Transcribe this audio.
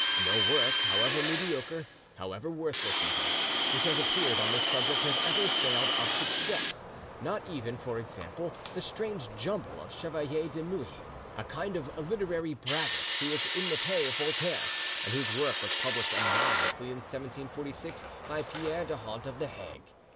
No work, however mediocre, however worthless even, which has appeared on this subject has ever failed of success, not even, for example, the strange jumble of Chevalier de Mouhy, a kind of literary braggart, who was in the pay of Voltaire, and whose work was published anonymously in 1746 by Pierre de Hondt of The Hague.